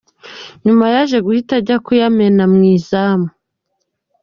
Nyuma yaje guhita ajya kuyamena mu izamu.